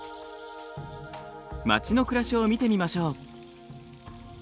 町の暮らしを見てみましょう。